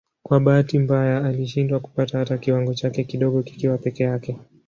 Kwa bahati mbaya alishindwa kupata hata kiwango chake kidogo kikiwa peke yake.